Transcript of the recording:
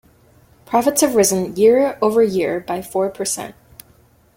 Profits have risen year over year by four percent.